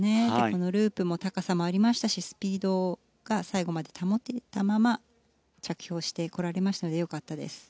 このループも高さがありましたしスピードを最後まで保てたまま着氷してこられましたので良かったです。